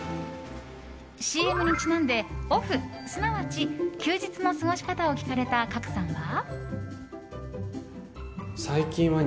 ＣＭにちなんでオフすなわち休日の過ごし方を聞かれた賀来さんは。